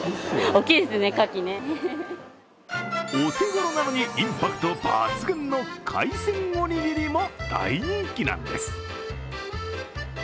お手頃なのにインパクト抜群の海鮮おにぎりも大人気なんです。